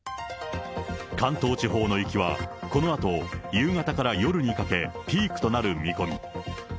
関東地方の雪はこのあと夕方から夜にかけ、ピークとなる見込み。